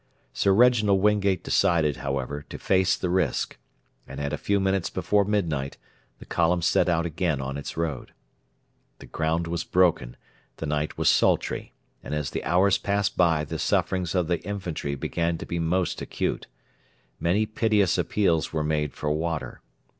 Sir Reginald Wingate decided, however, to face the risk, and at a few minutes before midnight the column set out again on its road. The ground was broken; the night was sultry: and as the hours passed by the sufferings of the infantry began to be most acute. Many piteous appeals were made for water.